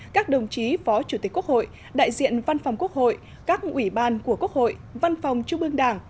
các đồng chí phó chủ tịch quốc hội đại diện văn phòng quốc hội các ủy ban của quốc hội văn phòng trung ương đảng